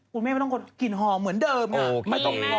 คุณแม่ไม่ต้องกันกลิ่นหอมเหมือนเดิม